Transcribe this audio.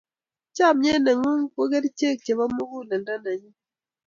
chamiet ne ng'un ko kerichek chebo munguleldo ne nyun